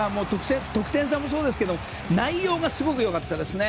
得点差もそうですが内容がすごく良かったですね。